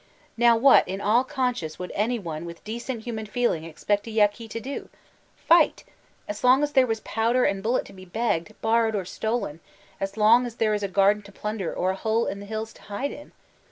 Now what in all conscience would any one with decent human feeling expect a Yaqui to do ? Fight ! As long as there was powder and bullet to be begged, borrowed, or stolen ; as long as there b a garden to plunder, or a bole in the hiUs to hide in!